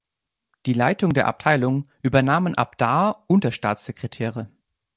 Die Leitung der Abteilungen übernahmen ab da Unterstaatssekretäre.